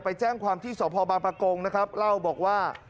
ไปแจ้งความที่สพบางประกงนะครับเล่าบอกว่า